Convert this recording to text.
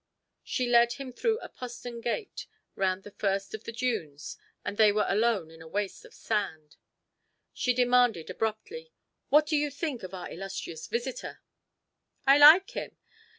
She led him through a postern gate, round the first of the dunes, and they were alone in a waste of sand. She demanded abruptly: "What do you think of our illustrious visitor?" "I like him.